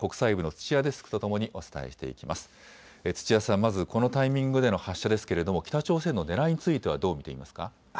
土屋さん、このタイミングでの発射ですが北朝鮮のねらいについては、どう見ていますか。